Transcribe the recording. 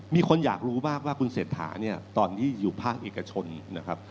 มีคนอยากรู้มากว่าคุณเศรษฐาเนี่ยตอนที่อยู่ภาคเอกชนนะครับ